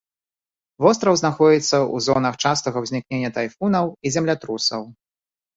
Востраў знаходзіцца ў зонах частага ўзнікнення тайфунаў і землятрусаў.